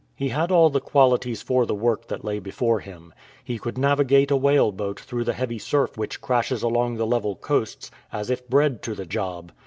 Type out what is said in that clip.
He had all the qualities for the work that lay before him. He could navi<]cate a whale boat through the heavy surf which crashes along the level coasts, as if bred to the job.